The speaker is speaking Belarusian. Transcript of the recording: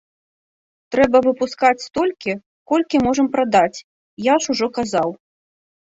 Трэба выпускаць столькі, колькі можам прадаць, я ж ужо казаў.